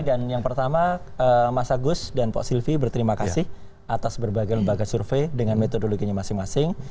yang pertama mas agus dan pak silvi berterima kasih atas berbagai lembaga survei dengan metodologinya masing masing